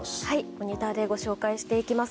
モニターでご紹介していきます。